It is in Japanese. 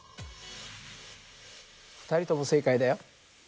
２人とも正解だよ。